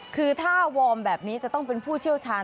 คือถ้าวอร์มแบบนี้จะต้องเป็นผู้เชี่ยวชาญ